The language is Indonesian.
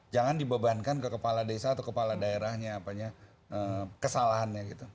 jangan dibebankan ke kepala desa atau kepala daerahnya kesalahannya gitu